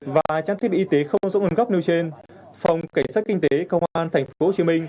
và trang thiết bị y tế không rõ nguồn gốc nêu trên phòng cảnh sát kinh tế công an tp hcm